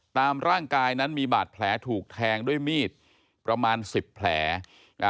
ตามร่างกายนั้นมีบาดแผลถูกแทงด้วยมีดประมาณสิบแผลอ่า